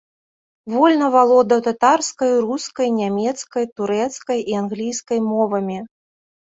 Вольна валодаў татарскай, рускай, нямецкай, турэцкай і англійскай мовамі.